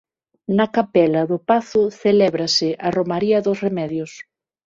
Na capela do pazo celébrase a romaría dos Remedios.